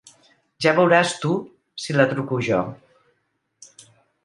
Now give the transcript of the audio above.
Ja veuràs tu si la truco jo.